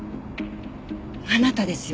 あなたですよね？